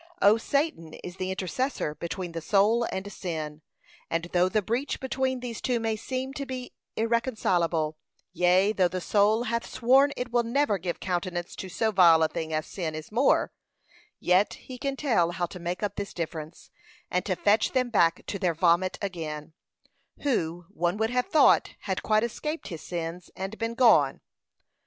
O! Satan is the intercessor between the soul and sin, and though the breach between these two may seem to be irreconcilable; yea, though the soul hath sworn it will never give countenance to so vile a thing as sin is more; yet he can tell how to make up this difference, and to fetch them back to their vomit again, who, one would have thought, had quite escaped his sins, and been gone.